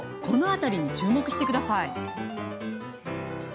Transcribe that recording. この辺りに注目してください。